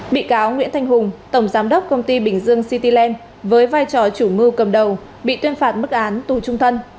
bị cáo nguyễn thanh hùng tổng giám đốc công ty bình dương cityland với vai trò chủ mưu cầm đầu bị tuyên phạt mức án tù trung thân